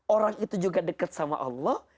orang itu juga dekat sama allah